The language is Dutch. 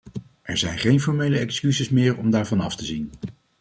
Er zijn geen formele excuses meer om daarvan af te zien.